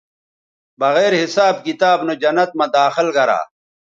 بغیر حساب کتاب نو جنت مہ داخل گرا